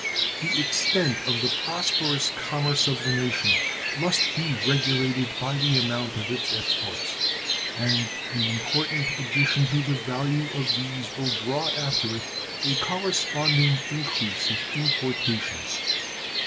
The extent of the prosperous commerce of the nation must be regulated by the amount of its exports, and an important addition to the value of these will draw after it a corresponding increase of importations.